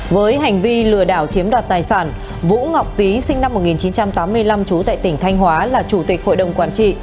với hành vi lừa đảo chiếm đoạt tài sản vũ ngọc tý sinh năm một nghìn chín trăm tám mươi năm trú tại tỉnh thanh hóa là chủ tịch hội đồng quản trị